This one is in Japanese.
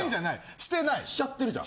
しちゃってるじゃん。